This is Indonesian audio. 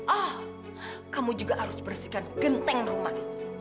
oh kamu juga harus bersihkan genteng rumah ini